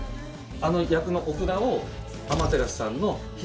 あの厄のお札を天照さんの左側に。